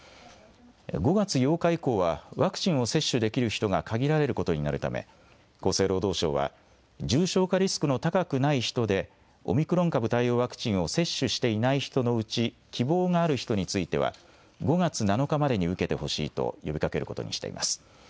５月８日以降は、ワクチンを接種できる人が限られることになるため、厚生労働省は、重症化リスクの高くない人で、オミクロン株対応ワクチンを接種していない人のうち、希望がある人については、５月７日までに受けてほしいと呼びかけることにしています。